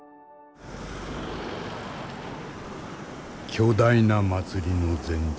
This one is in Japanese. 巨大な祭りの前日。